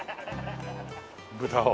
豚を。